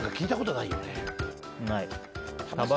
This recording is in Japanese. ない。